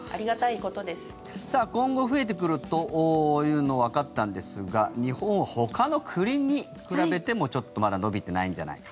今後増えてくるというのはわかったんですが日本はほかの国に比べてもちょっとまだ伸びていないんじゃないかと。